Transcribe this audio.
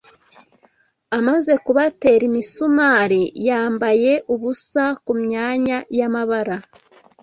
Amaze kubatera imisumari yambaye ubusa kumyanya yamabara